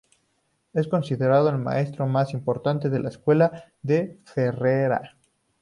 Es considerado el maestro más importante de la escuela de Ferrara.